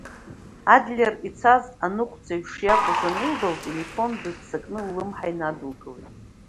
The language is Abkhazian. Адлер ицаз аныҟәцаҩ шиакәыз анылба, лтелефон дыццакны ллымҳа инадылкылеит.